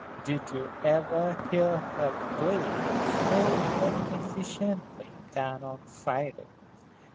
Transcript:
Did you ever hear her play more magnificently than on Friday?